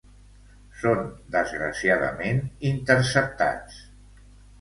Són desgraciadament interceptats.